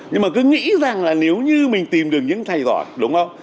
nhưng mà cứ nghĩ rằng là nếu như mình tìm được những thầy giỏi đúng không